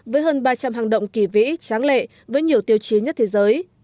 với hơn ba trăm linh hang động kỳ vĩ tráng lệ với nhiều tiêu chí nhất thế giới